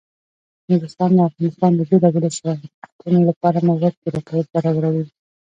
نورستان د افغانستان د بیلابیلو صنعتونو لپاره مواد پوره برابروي.